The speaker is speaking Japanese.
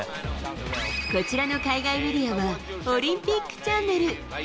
こちらの海外メディアは、オリンピックチャンネル。